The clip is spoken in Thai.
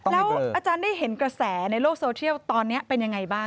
แล้วอาจารย์ได้เห็นกระแสในโลกโซเทียลตอนนี้เป็นยังไงบ้าง